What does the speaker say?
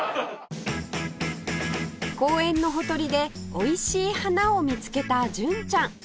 公園のほとりでおいしい花を見つけた純ちゃん